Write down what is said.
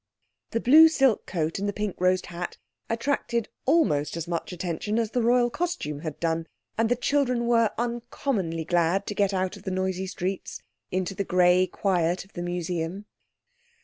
The blue silk coat and the pink rosed hat attracted almost as much attention as the royal costume had done; and the children were uncommonly glad to get out of the noisy streets into the grey quiet of the Museum.